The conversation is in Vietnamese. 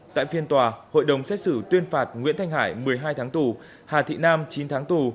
tại phiên tòa hội đồng xét xử tuyên phạt nguyễn thanh hải một mươi hai tháng tù hà thị nam chín tháng tù